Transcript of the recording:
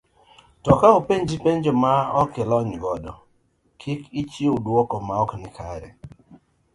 To kaponi openji penjo ma ok ilony godo, kik ichiw duoko ma ok kare.